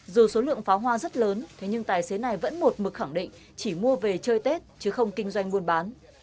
dù số lượng pháo hoa rất lớn thế nhưng tài xế này vẫn một mực khẳng định chỉ mua về chơi tết chứ không kinh doanh buôn bán